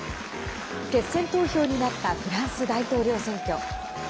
決選投票になったフランス大統領選挙。